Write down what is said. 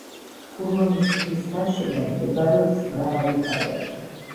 ჰურონის ტბის გარშემო მდებარეობს მრავალი ქალაქი.